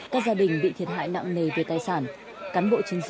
các gia đình bị thiệt hại nặng nề về tài sản